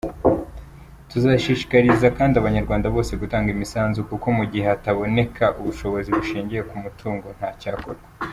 Tuzashishikariza kandi abanyarwanda bose gutanga imisanzu kuko mugihe hataboneka ubushobozi bushingiye kumutungo ntacyakorwa.